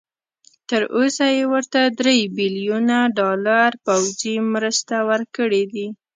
تر اوسه یې ورته درې بيلیونه ډالر پوځي مرسته ورکړي دي.